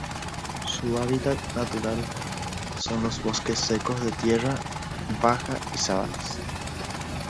Su hábitat natural son los bosques secos de tierras bajas y sabanas.